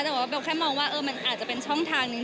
แต่ว่าเบลแค่มองว่ามันอาจจะเป็นช่องทางนึง